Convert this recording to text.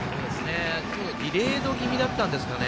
ディレイド気味だったんですかね。